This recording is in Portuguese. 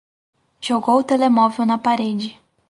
Jogou o telemóvel na parede